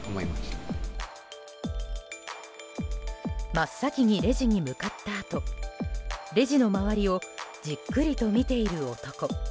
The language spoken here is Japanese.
真っ先にレジに向かったあとレジの周りをじっくりと見ている男。